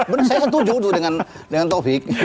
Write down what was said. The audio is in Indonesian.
bener saya setuju dengan taufik